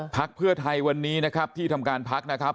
พักเพื่อไทยวันนี้นะครับที่ทำการพักนะครับ